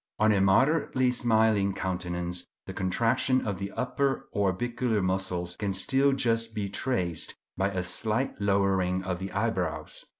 On a moderately smiling countenance the contraction of the upper orbicular muscles can still just be traced by a slight lowering of the eyebrows.